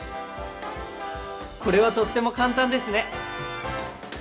これはとっても簡単ですね！